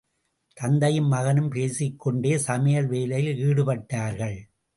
தந்தையும் மகனும் பேசிக்கொண்டே சமையல் வேலையில் ஈடுபட்டார்கள்.